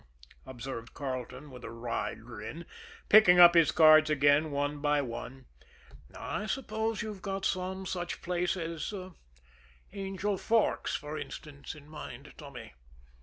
observed Carleton, with a wry grin, picking up his cards again one by one. "I suppose you've some such place as Angel Forks, for instance, in mind, Tommy?"